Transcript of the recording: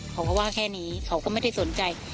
เขาก็ว่าแค่นี้เขาก็ไม่ได้สนใจ